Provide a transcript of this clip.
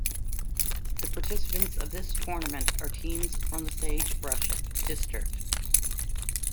The participants of this tournament are teams from the Sagebrush District.